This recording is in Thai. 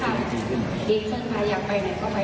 ดีสุดค่ะดีสุดค่ะอยากไปไหนก็ไปได้